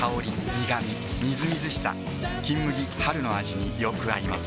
みずみずしさ「金麦」春の味によく合います